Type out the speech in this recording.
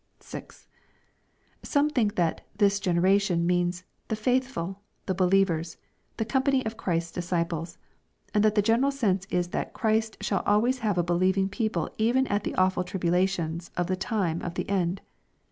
6. Some think that " this generation" means " the faithful, the believers, the company of Christ's disciples," and that the general sense is that Christ shall always have a believing people even at the awful tribulations of the time of the end.